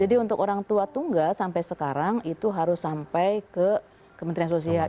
jadi untuk orang tua tunggal sampai sekarang itu harus sampai ke kementerian sosial